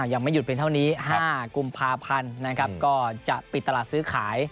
ยังไม่หยุดเป็นเท่านี้๕กุมภาพันธ์นะครับก็จะปิดตลาดซื้อขาย